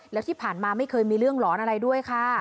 แล้วที่ผ่านมาไม่เคยมีเรื่องหลอนอะไรด้วยค่ะ